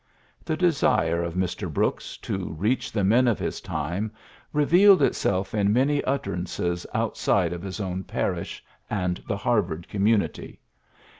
The desire of Mr. Brooks to reach the men of his time revealed itself in many PHILLIPS BROOKS 81 utterances outside of his own parish and the Harvard community.